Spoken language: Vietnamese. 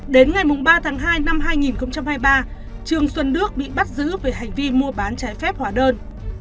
đến ngày ba tháng hai năm hai nghìn hai mươi ba trương xuân đức bị bắt giữ về hành vi mua bán trái phép hóa đơn